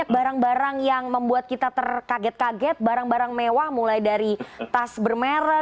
barang barang yang membuat kita terkaget kaget barang barang mewah mulai dari tas bermerek